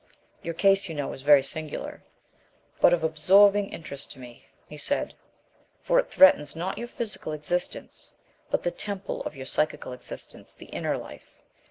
"Your case, you know, is very singular, but of absorbing interest to me," he said, "for it threatens, not your physical existence, but the temple of your psychical existence the inner life.